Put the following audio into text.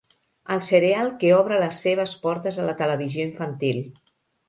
El cereal que obre les seves portes a la televisió infantil.